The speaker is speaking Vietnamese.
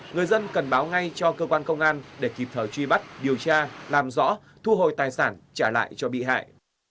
người dân cần báo ngay cho cơ quan công an để kịp thời truy bắt điều tra làm rõ thu hồi tài sản trả lại cho bị hại